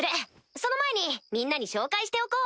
その前にみんなに紹介しておこう。